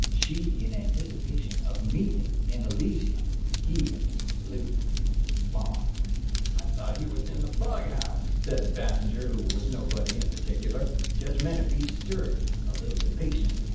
She in anticipation of a meeting in Elysium; he in the Slough of Despond." "I thought he was in the bughouse," said the passenger who was nobody in particular. Judge Menefee stirred, a little impatiently.